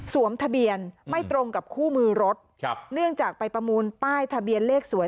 ทะเบียนไม่ตรงกับคู่มือรถครับเนื่องจากไปประมูลป้ายทะเบียนเลขสวย